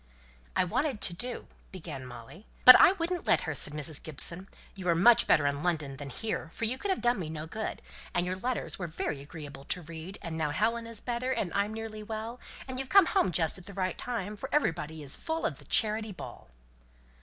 "I wanted to do," began Molly "But I wouldn't let her," said Mrs. Gibson. "You were much better in London than here, for you could have done me no good; and your letters were very agreeable to read; and now Helen is better, and I'm nearly well, and you've come home just at the right time, for everybody is full of the Charity Ball."